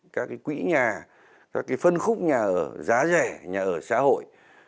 các quỹ nhà các phân khúc nhà ở giá rẻ nhà ở xã hội